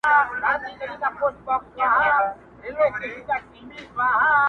اوس نو وکئ قضاوت ګنا دچا ده,